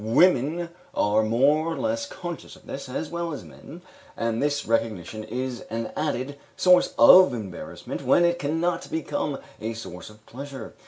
Women are more or less conscious of this, as well as men, and this recognition is an added source of embarrassment when it cannot become a source of pleasure.